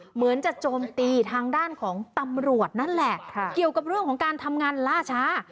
เหมือนจะโจมตีทางด้านของตำรวจนั่นแหละเกี่ยวกับเรื่องของการทำงานล่าช้า